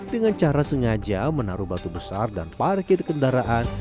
dengan cara sengaja menaruh batu besar dan parkir kendaraan